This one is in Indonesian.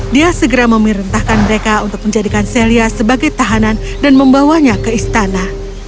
dia segera memerintahkan mereka untuk menjadikan celia sebagai tahanan dan membawanya ke istana